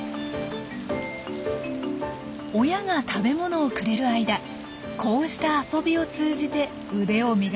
親が食べ物をくれる間こうした遊びを通じて腕を磨きます。